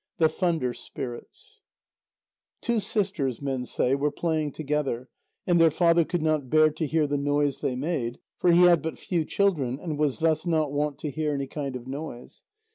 THE THUNDER SPIRITS Two sisters, men say, were playing together, and their father could not bear to hear the noise they made, for he had but few children, and was thus not wont to hear any kind of noise.